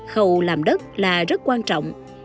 khẩu làm đất là rất quan trọng